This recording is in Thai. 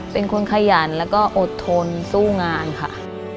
เป็นคนขยันแล้วก็อดทนสู้งานค่ะ